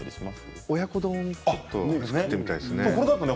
親子丼をちょっと作ってみたいですね。